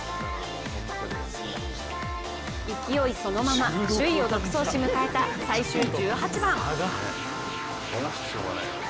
勢いそのまま首位を独走し迎えた最終１８番。